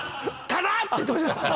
「ア！」って言ってました。